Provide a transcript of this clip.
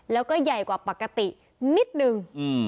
แล้วก็ใหญ่กว่าปกตินิดนึง